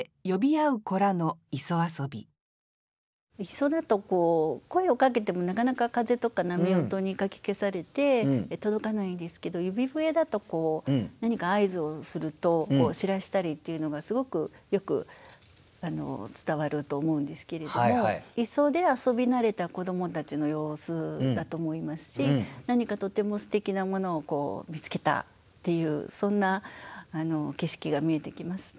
磯だと声をかけてもなかなか風とか波音にかき消されて届かないですけど指笛だと何か合図をすると知らせたりっていうのがすごくよく伝わると思うんですけれども磯で遊び慣れた子どもたちの様子だと思いますし何かとってもすてきなものを見つけたっていうそんな景色が見えてきます。